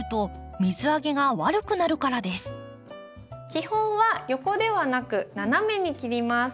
基本は横ではなく斜めに切ります。